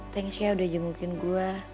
thanks ya udah jemukin gue